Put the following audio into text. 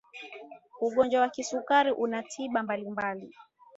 ugonjwa wa kisukari una tiba mbalimbali